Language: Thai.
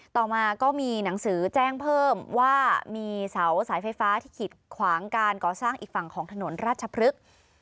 ต่อมาก็มีหนังสือแจ้งเพิ่มว่ามีเสาสายไฟฟ้าที่ขีดขวางการก่อสร้างอีกฝั่งของถนนราชพฤกษ์